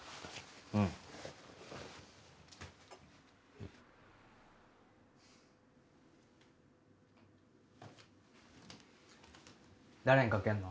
うん誰にかけんの？